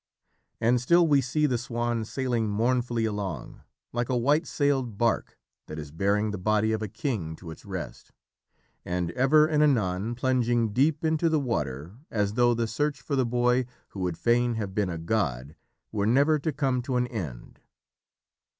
And still we see the swan sailing mournfully along, like a white sailed barque that is bearing the body of a king to its rest, and ever and anon plunging deep into the water as though the search for the boy who would fain have been a god were never to come to an end.